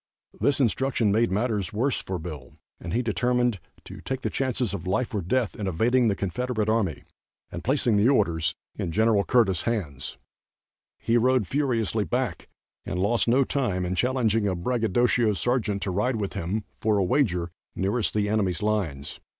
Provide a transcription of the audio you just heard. This instruction made matters worse for Bill, and he determined to take the chances of life or death in evading the Confederate army and placing the orders in Gen. Curtis' hands. He rode furiously back and lost no time in challenging a bragadocio sergeant to ride with him, for a wager, nearest the enemy's lines.